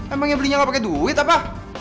emang yang belinya gak pake duit apa